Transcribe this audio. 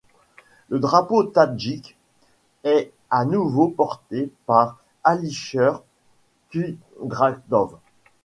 Le drapeau tadjik est à nouveau porté par Alisher Qudratov.